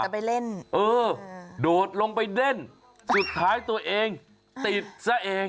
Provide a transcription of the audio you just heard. ไปเล่นเออโดดลงไปเล่นสุดท้ายตัวเองติดซะเอง